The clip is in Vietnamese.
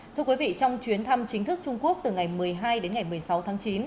thưa quý vị trong chuyến thăm chính thức trung quốc từ ngày một mươi hai đến ngày một mươi sáu tháng chín